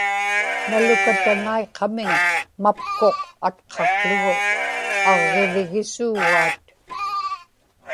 nalukataŋaiqamiŋ mapkuq atqaqługu aġġivigisuugaat